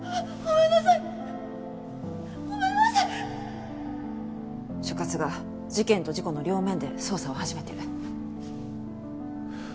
ごめん所轄が事件と事故の両面で捜査を始めてる。